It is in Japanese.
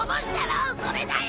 それだよ！